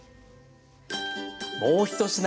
もう１品。